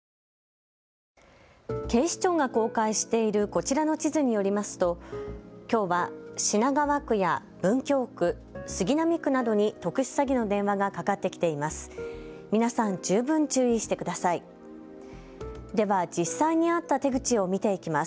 警視庁が公開しているこちらの地図によりますときょうは品川区や文京区、杉並区などに特殊詐欺の電話がかかってきています。